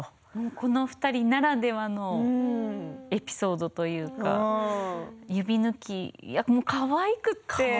この２人ならではのエピソードというか指ぬき、いや、かわいくて。